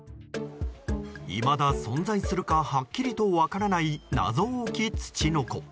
いまだ存在するかはっきりと分からない謎多き、ツチノコ。